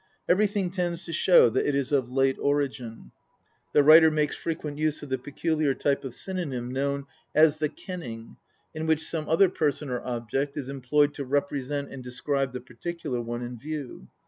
Everything tends to show that it is of late origin. The writer makes frequent use of the peculiar type of synonym known as the " kenning," in which some other person or object is employed to represent and describe the particular one in view.